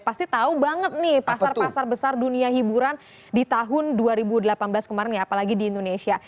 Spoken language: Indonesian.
pasti tahu banget nih pasar pasar besar dunia hiburan di tahun dua ribu delapan belas kemarin ya apalagi di indonesia